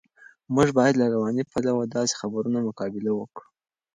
موږ باید له رواني پلوه د داسې خبرونو مقابله وکړو.